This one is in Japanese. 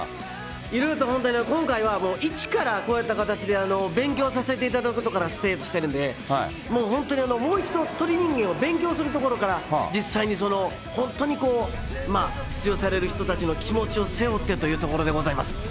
いろいろと本当に、今回は一からこうやった形で勉強させていただくことからしてるんで、もう本当にもう一度、鳥人間を勉強するところから、実際に本当に出場される人たちの気持ちを背負ってというところでございます。